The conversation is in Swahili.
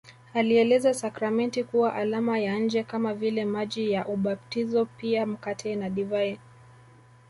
Alieleza sakramenti kuwa alama ya nje kama vile maji ya ubatizopia mkate nadivai